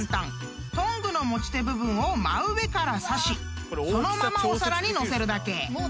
［トングの持ち手部分を真上から挿しそのままお皿に載せるだけ］